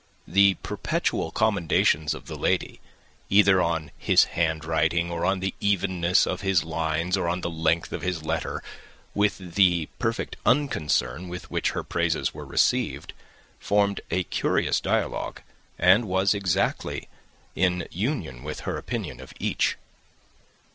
The perpetual commendations of the lady either on his hand writing, or on the evenness of his lines, or on the length of his letter, with the perfect unconcern with which her praises were received, formed a curious dialogue, and was exactly in unison with her opinion of each.